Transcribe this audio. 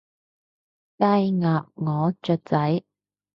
雞，鴨，鵝，雀仔